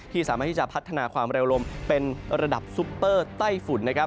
สามารถที่จะพัฒนาความเร็วลมเป็นระดับซุปเปอร์ไต้ฝุ่น